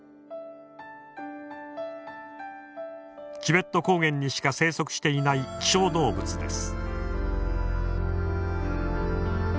チベット高原にしか生息していない希少動物です。